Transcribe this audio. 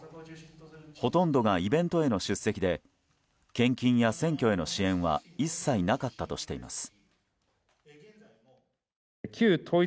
ほとんどがイベントへの出席で献金や選挙への支援は一切なかったとしています。